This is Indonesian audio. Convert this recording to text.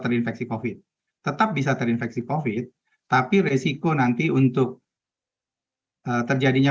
survei dilakukan di seratus kabupaten kota di tiga puluh empat provinsi di indonesia menggunakan questionnaire